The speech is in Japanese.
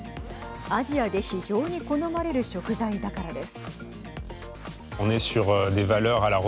アジアで非常に好まれる食材だからです。